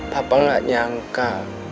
bapak gak nyangka